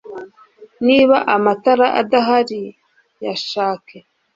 Niba amatara adahari yashake